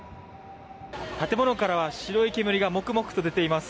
建物からは白い煙がもくもくと出ています。